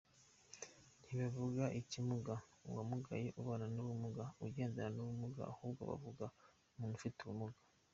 Ntibavuga Ikimuga, uwamugaye, ubana n’ubumuga, ugendana n’ubumuga, ahubwo bavuga umuntu ufite ubumuga.